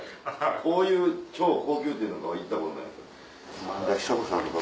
こういう超高級店とかは行ったことないです。